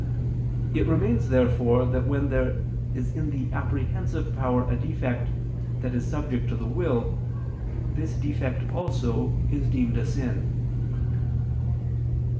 It remains therefore that when there is in the apprehensive power a defect that is subject to the will, this defect also is deemed a sin.